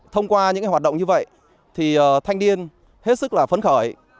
thông qua những hoạt động như vậy thì thanh niên hết sức là phấn khởi